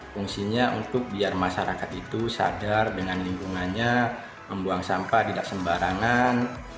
fungsinya untuk biar masyarakat itu sadar dengan lingkungannya membuang sampah tidak sembarangan